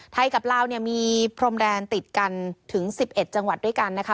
กับลาวเนี่ยมีพรมแดนติดกันถึง๑๑จังหวัดด้วยกันนะคะ